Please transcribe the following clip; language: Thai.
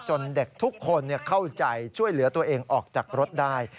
เด็กทุกคนเข้าใจช่วยเหลือตัวเองออกจากรถได้